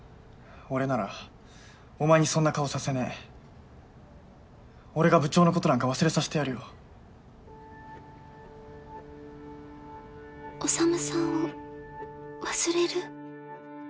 俺ならお前にそんな顔させねえ俺が部長のことなんか忘れさせてやるよ宰さんを忘れる？